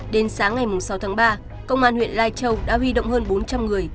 đến sáng ngày sáu tháng ba công an huyện lai châu đã huy động hơn bốn trăm linh người